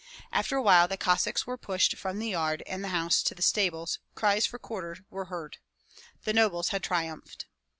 After a while the Cossacks were pushed from the yard and the house to the stables; cries for quarter were heard. The nobles had triumphed.